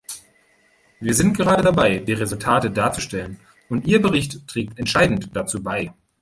Wir sind gerade dabei, die Resultate darzustellen, und Ihr Bericht trägt entscheidend dazu bei.